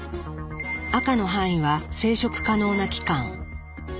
赤の範囲は生殖可能な期間。